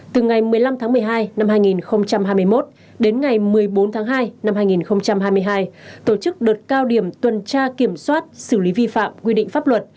từ ngày một mươi năm tháng một mươi hai năm hai nghìn hai mươi một đến ngày một mươi bốn tháng hai năm hai nghìn hai mươi hai tổ chức đợt cao điểm tuần tra kiểm soát xử lý vi phạm quy định pháp luật